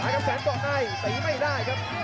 แล้วก็มาแสนต่อไหนทีไม่ได้ครับ